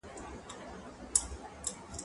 ته ولي کتاب ليکې،